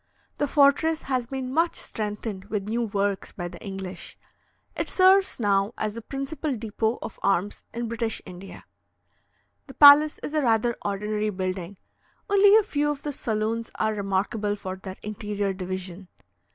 The fortress has been much strengthened with new works by the English. It serves now as the principal depot of arms in British India. The palace is a rather ordinary building; only a few of the saloons are remarkable for their interior division.